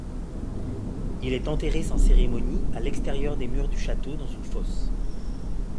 Il est enterré sans cérémonie à l'extérieur des murs du château dans une fosse.